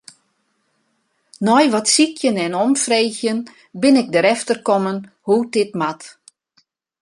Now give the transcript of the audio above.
Nei wat sykjen en omfreegjen bin ik derefter kommen hoe't dit moat.